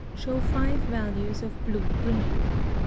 Show FIVE VALUES of BLUE GREEN.